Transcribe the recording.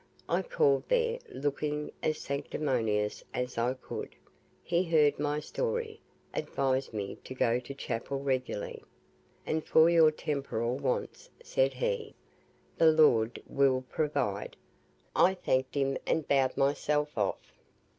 I called there, looking as sanctimonious as I could. He heard my story, advised me to go to chapel regularly, 'And for your temporal wants,' said he, 'the Lord will provide.' I thanked him, and bowed myself off.